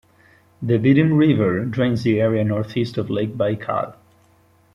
The Vitim River drains the area northeast of Lake Baikal.